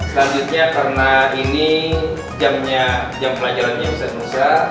selanjutnya karena ini jam pelajaran ustadz musa